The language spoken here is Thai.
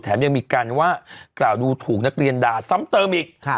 ยังมีการว่ากล่าวดูถูกนักเรียนด่าซ้ำเติมอีก